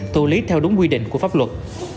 tù lý theo đúng quy định của pháp luật